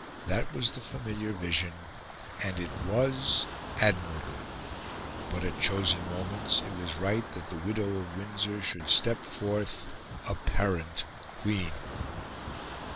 That was the familiar vision, and it was admirable; but, at chosen moments, it was right that the widow of Windsor should step forth apparent Queen.